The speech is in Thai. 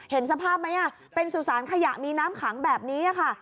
เห็นสภาพไหมเป็นสุสานขยะมีน้ำขังแบบนี้ค่ะ